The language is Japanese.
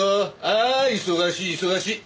ああ忙しい忙しい。